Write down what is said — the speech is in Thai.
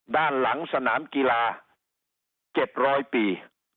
ด้านหลังสนามกีฬา๗๐๐ปี